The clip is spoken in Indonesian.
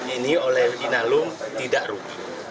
ini oleh inalum tidak rugi